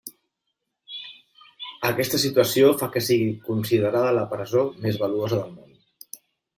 Aquesta situació fa que sigui considerada la presó més valuosa del món.